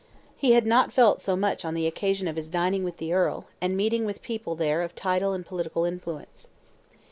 He had not felt so much on the occasion of his dining with the Earl, and meeting with people there of title and political influence.